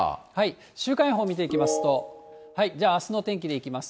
週間予報見ていきますと、じゃあ、あすの天気でいきます。